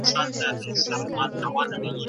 نه مُلا یې وه اخیستي زکاتونه